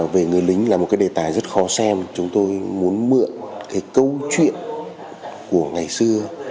về người lính là một cái đề tài rất khó xem chúng tôi muốn mượn cái câu chuyện của ngày xưa